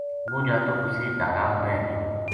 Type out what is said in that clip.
وہ جاتک اُسے ڈھارا ما رہ گیو